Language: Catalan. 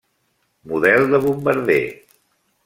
Model de bombarder.